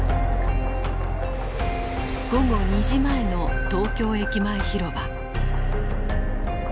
午後２時前の東京駅前広場。